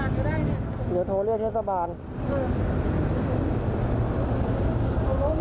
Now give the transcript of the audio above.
ประโยชน์